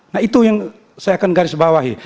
nah itu yang saya akan garis bawahi